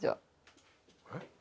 えっ？